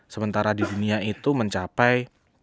sementara di dunia itu mencapai